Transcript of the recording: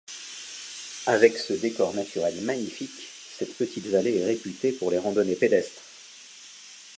Avec ce décor naturel magnifique, cette petite vallée est réputée pour les randonnées pédestres.